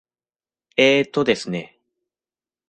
えーとですね。